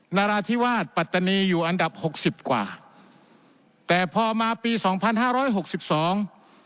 นาราธิวาสปัตตานีอยู่อันดับหกสิบกว่าแต่พอมาปีสองพันห้าร้อยหกสิบสอง